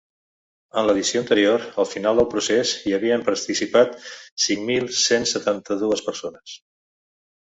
En l’edició anterior, al final del procés hi havien participat cinc mil cent setanta-dues persones.